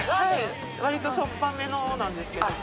わりとしょっぱめのなんですけども。